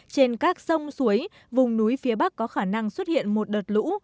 trên các sông suối vùng núi phía bắc có khả năng xuất hiện một đợt lũ